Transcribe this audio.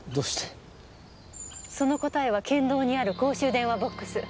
その答えは県道にある公衆電話ボックス。